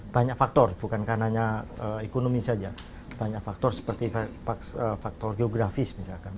banyak faktor bukan karenanya ekonomi saja banyak faktor seperti faktor geografis misalkan